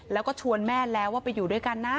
แล้วก็ชวนแม่แล้วว่าไปอยู่ด้วยกันนะ